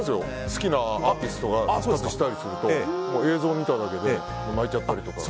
好きなアーティストが復活したりすると映像を見ただけで泣いちゃったりとか。